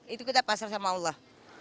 itu kita pasar sama allah